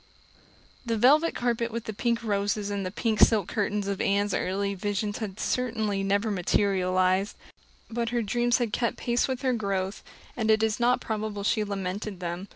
The velvet carpet with the pink roses and the pink silk curtains of Anne's early visions had certainly never materialized; but her dreams had kept pace with her growth, and it is not probable she lamented them.